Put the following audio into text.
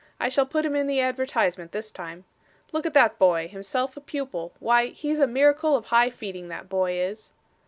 I shall put him in the advertisement, this time. Look at that boy himself a pupil. Why he's a miracle of high feeding, that boy is!